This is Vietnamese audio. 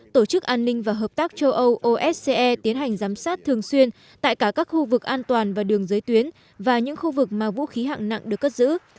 tổ chức an ninh và hợp tác châu âu ose tiến hành giám sát thường xuyên tại cả các khu vực an toàn và đường giới tuyến và những khu vực mà vũ khí hạng nặng được cất giữ